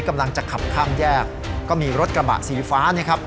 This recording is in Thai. กำลังจะขับข้ามแยกก็มีรถกระบะสีฟ้านะครับ